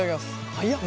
早っ。